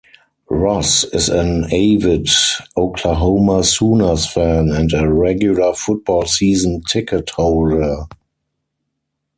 Ross is an avid Oklahoma Sooners fan and a regular football season ticket holder.